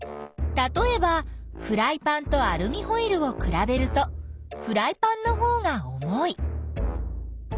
たとえばフライパンとアルミホイルをくらべるとフライパンのほうが重い。